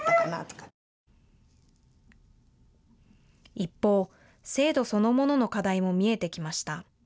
一方、制度そのものの課題も見えてきました。